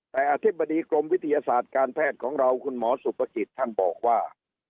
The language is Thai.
แต่อธิบดีกรมวิทยาศาสตร์การแพทย์ของเราคุณหมอสุภกิจท่านบอกว่า